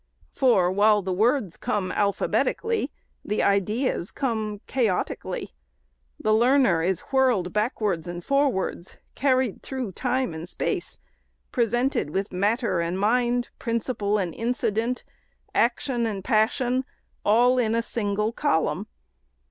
For, while the words come alphabetically, the ideas come chaotically. The learner is whirled back wards and forwards, carried through time and space, presented witli matter and mind, principal and incident, action and passion, all in a single column.